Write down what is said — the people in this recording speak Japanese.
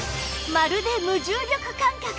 まるで無重力感覚！